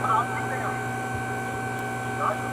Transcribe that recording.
ازمويلی څوک نه ازمايي.